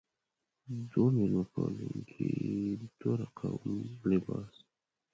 دوه میلمه پالونکې دوه رقم لباس.